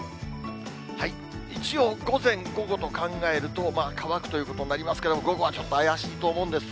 一応、午前、午後と考えると、乾くということになりますけれども、午後はちょっと怪しいと思うんです。